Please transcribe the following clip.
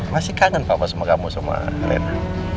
masih kangen papa sama kamu sama rena